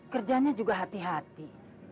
kerjanya juga hati hati